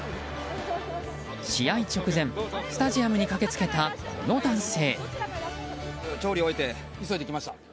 試合直前スタジアムに駆け付けたこの男性。